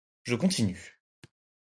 Je continue.